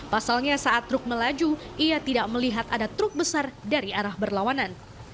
pasalnya saat truk melaju ia tidak melihat ada truk besar dari arah berlawanan